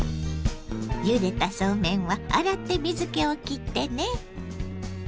ゆでたそうめんは洗って水けをきってね。